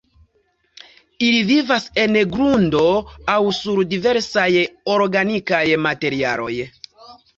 Ili vivas en grundo aŭ sur diversaj organikaj materialoj.